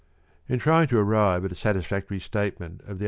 In trying to arrive at a satisfactory statement of the ^„'|.